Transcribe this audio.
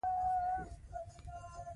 افغاني لښکر ماتې خوړله.